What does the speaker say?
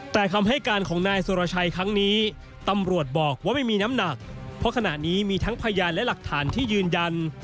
แต่คำให้การของนายสุรชัยครั้งนี้ตำรวจบอกว่าไม่มีน้ำหนักเพราะขณะนี้มีทั้งพยานและหลักฐานที่ยืนยัน